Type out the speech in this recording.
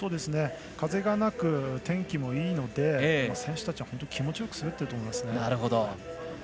風がなく天気もいいので選手たちは気持ちよく滑っていると思いますね。